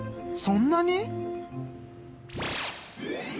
そんなに？